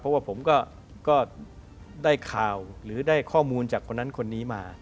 เพราะว่าผมก็ได้ข่าวหรือได้ข้อมูลจากคนนั้นคนนี้มา